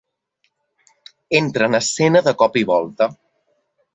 Entra en escena de cop i volta.